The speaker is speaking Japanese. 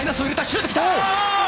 シュート来た！